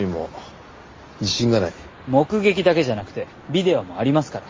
目撃だけじゃなくてビデオもありますから。